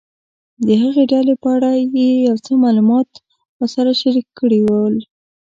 د هغې ډلې په اړه یې یو څه معلومات راسره شریک کړي ول.